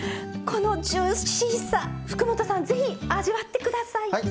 このジューシーさ福本さん是非味わってください。